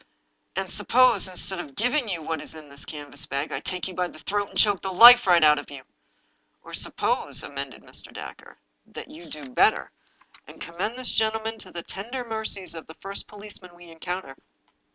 " And suppose, instead of giving you what is in this canvas bag, I take you by the throat and choke the life right out of you ?"" Or suppose," amended Mr. Dacre, " that you do better, 285 English Mystery Stories and commend this gentleman to the tender mercies of the first policeman we encounter."